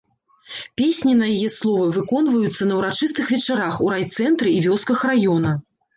Песні на яе словы выконваюцца на ўрачыстых вечарах у райцэнтры і вёсках раёна.